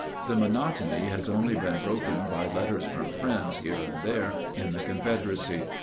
The monotony has only been broken by letters from friends here and there in the Confederacy.